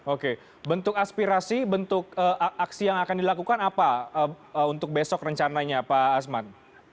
oke bentuk aspirasi bentuk aksi yang akan dilakukan apa untuk besok rencananya pak asman